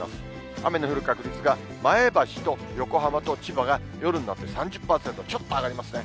雨の降る確率が、前橋と横浜と千葉が、夜になると３０％、ちょっと上がりますね。